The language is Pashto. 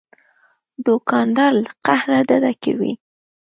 دوکاندار له قهره ډډه کوي.